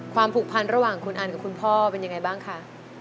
ผูกพันระหว่างคุณอันกับคุณพ่อเป็นยังไงบ้างคะ